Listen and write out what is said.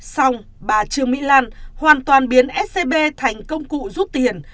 xong bà trương mỹ lan hoàn toàn biến scb thành công cụ rút tiền